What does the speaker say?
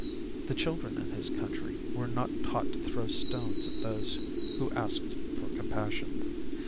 The children in his country were not taught to throw stones at those who asked for compassion.